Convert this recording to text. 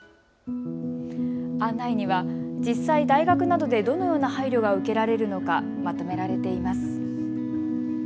案内には実際、大学などでどのような配慮が受けられるのかまとめられています。